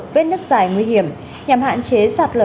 vết nứt dài nguy hiểm nhằm hạn chế sạt lở